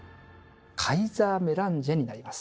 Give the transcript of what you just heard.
「カイザーメランジェ」になります。